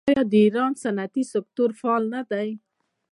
آیا د ایران صنعتي سکتور فعال نه دی؟